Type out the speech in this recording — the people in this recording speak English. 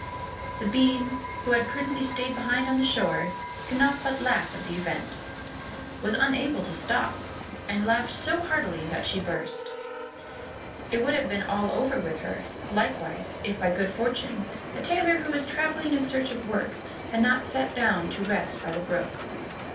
The bean, who had prudently stayed behind on the shore, could not but laugh at the event, was unable to stop, and laughed so heartily that she burst. It would have been all over with her, likewise, if, by good fortune, a tailor who was traveling in search of work, had not sat down to rest by the brook.